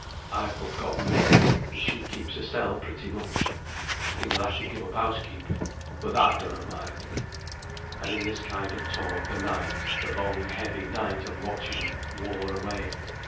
I've but gotten Mary, and she keeps hersel pretty much. I think we'll ha' to give up house keeping; but that I donnot mind." And in this kind of talk the night, the long heavy night of watching, wore away.